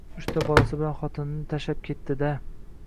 Uchta bolasi bilan xotinini tashlab ketti-da